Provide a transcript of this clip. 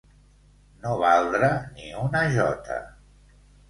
No valdre ni una jota.